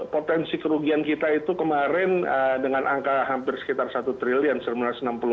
potensi kerugian kita itu kemarin dengan angka hampir sekitar satu triliun